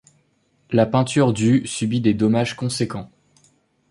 La peinture du subit des dommages conséquents.